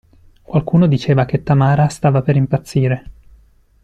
Qualcuno diceva che Tamara stava per impazzire.